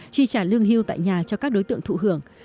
chi trả lương hiu tại nhà cho các đối tượng thụ hưởng